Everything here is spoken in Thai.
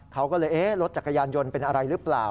เขาก็เลยเอ๊ะรถจักรยานยนต์เป็นอะไรหรือเปล่า